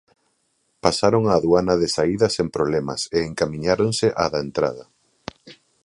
Pasaron a aduana de saída sen problemas e encamiñáronse á da entrada.